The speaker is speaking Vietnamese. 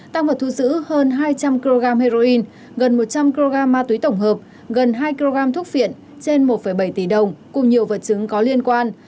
tăng vật thu giữ hơn hai trăm linh kg heroin gần một trăm linh kg ma túy tổng hợp gần hai kg thuốc phiện trên một bảy tỷ đồng cùng nhiều vật chứng có liên quan